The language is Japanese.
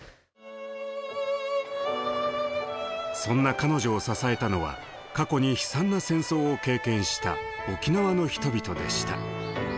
そんな彼女を支えたのは過去に悲惨な戦争を経験した沖縄の人々でした。